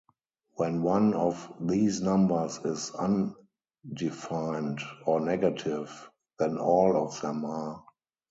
When one of these numbers is undefined or negative, then all of them are.